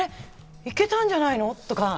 行けたんじゃないの？とか。